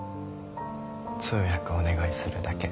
通訳お願いするだけ。